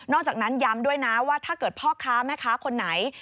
จากนั้นย้ำด้วยนะว่าถ้าเกิดพ่อค้าแม่ค้าคนไหน